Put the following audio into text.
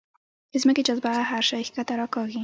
د ځمکې جاذبه هر شی ښکته راکاږي.